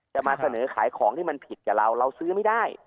จะมาเสนอขายของที่มันผิดกับเราเราซื้อไม่ได้